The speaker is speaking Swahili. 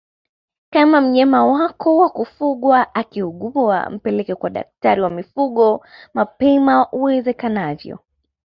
Kama mnyama wako wa kufugwa akiugua mpeleke kwa daktari wa mifugo mapema iwezekanavyo